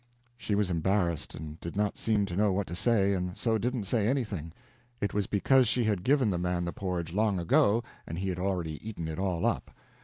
She was embarrassed, and did not seem to know what to say, and so didn't say anything. It was because she had given the man the porridge long ago and he had already eaten it all up.